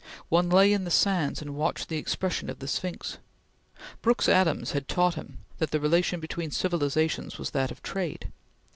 One lay in the sands and watched the expression of the Sphinx. Brooks Adams had taught him that the relation between civilizations was that of trade.